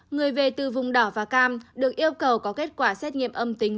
người về từ vùng đỏ và cam được yêu cầu có kết quả xét nghiệm âm tính